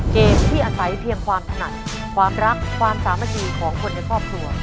เกมที่อาศัยเพียงความถนัดความรักความสามัคคีของคนในครอบครัว